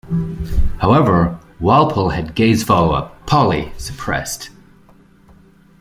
However, Walpole had Gay's follow up, "Polly", suppressed.